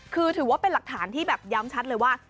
คือถือว่าเป็นหลักฐานที่แบบย้ำชัดเลยว่า